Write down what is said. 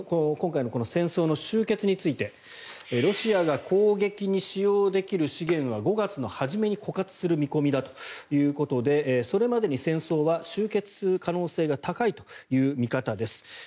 今回のこの戦争の終結についてロシアが攻撃に使用できる資源は５月の初めに枯渇する見込みだということでそれまでに戦争は終結する可能性が高いという見方です。